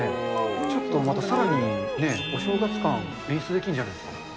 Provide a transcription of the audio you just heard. ちょっとまたさらに、お正月感、演出できるんじゃないですか。